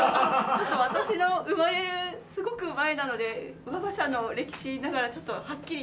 ちょっと私の生まれるすごく前なので我が社の歴史ながらちょっとはっきり